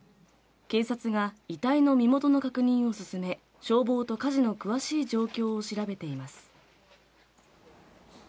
警察が遺体の身元の確認を進め、消防と火事の詳しい状況を調べています。